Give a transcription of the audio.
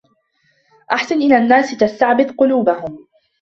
أَحْسِنْ إلي الناس تستعبد قلوبهم